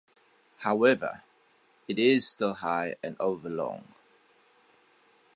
However, it is still high and over long.